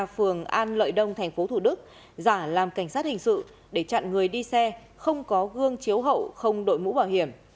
phường an lợi đông tp thủ đức giả làm cảnh sát hình sự để chặn người đi xe không có gương chiếu hậu không đội mũ bảo hiểm